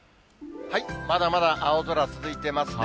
まだまだ青空続いてますね。